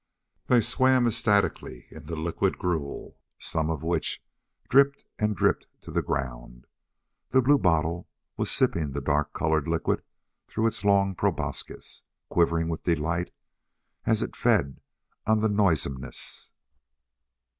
They swam ecstatically in the liquid gruel, some of which dripped and dripped to the ground. The bluebottle was sipping the dark colored liquid through its long proboscis, quivering with delight as it fed on the noisomeness.